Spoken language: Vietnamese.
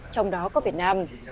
trong đó có việt nam